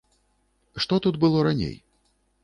Што тут было раней?